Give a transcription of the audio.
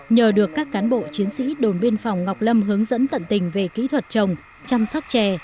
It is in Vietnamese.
nhờ được các cán bộ chiến sĩ đồn biên phòng ngọc lâm hướng dẫn tận tình về kỹ thuật trồng chăm sóc chè